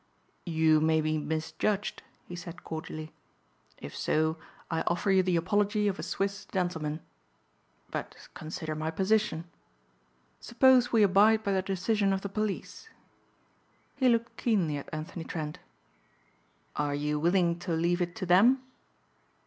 "You may be misjudged," he said cordially. "If so I offer you the apology of a Swiss gentleman. But consider my position. Suppose we abide by the decision of the police." He looked keenly at Anthony Trent, "Are you willing to leave it to them?